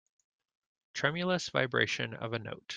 Tremulous vibration of a note.